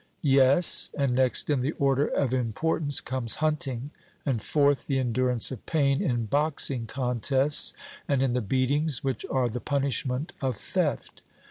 'Yes; and next in the order of importance comes hunting, and fourth the endurance of pain in boxing contests, and in the beatings which are the punishment of theft.